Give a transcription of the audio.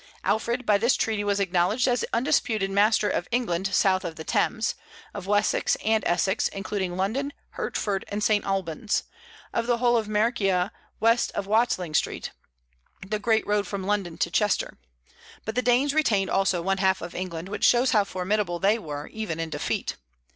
Alfred by this treaty was acknowledged as undisputed master of England south of the Thames; of Wessex and Essex, including London, Hertford, and St. Albans; of the whole of Mercia west of Watling Street, the great road from London to Chester; but the Danes retained also one half of England, which shows how formidable they were, even in defeat.